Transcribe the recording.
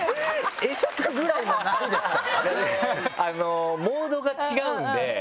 会釈ぐらいもないですか？